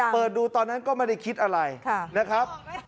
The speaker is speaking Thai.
เปิดดูตอนนั้นก็ไม่ได้คิดอะไรนะครับ